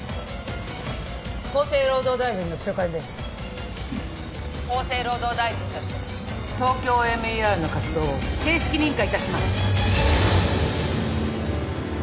厚生労働大臣の白金です厚生労働大臣としてＴＯＫＹＯＭＥＲの活動を正式認可いたします